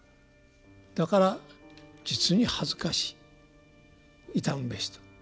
だから実に恥ずかしい傷むべしと。